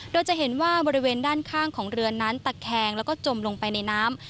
โดยจะเห็นว่าบริเวณด้านข้างของเรือนั้นตะแคงแล้วก็จมลงไปในน้ำ